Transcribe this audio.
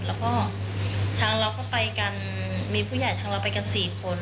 แล้วก็ทางเราก็ไปกันมีผู้ใหญ่ทางเราไปกัน๔คน